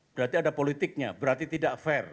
berarti ada politiknya berarti tidak fair